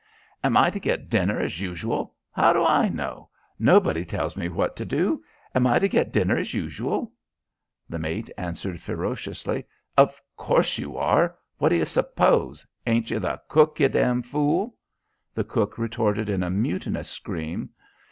"Am I to git dinner as usual? How do I know? Nobody tells me what to do? Am I to git dinner as usual?" The mate answered ferociously. "Of course you are! What do you s'pose? Ain't you the cook, you damn fool?" The cook retorted in a mutinous scream.